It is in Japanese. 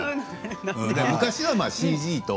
昔はＣＧと。